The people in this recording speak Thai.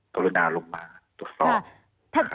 ตรวจนาลงมาตรวจสอบ